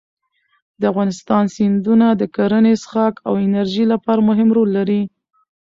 د افغانستان سیندونه د کرنې، څښاک او انرژۍ لپاره مهم رول لري.